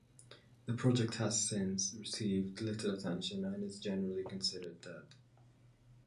The project has since received little attention and is generally considered Dead.